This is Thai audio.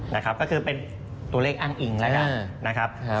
นะครับก็คือเป็นตัวเลขอ้างอิงแล้วกันนะครับ